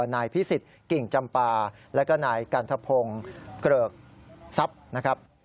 นายพิสิทธิ์กิ่งจำปาแล้วก็นายกันทพงศ์เกริกทรัพย์นะครับ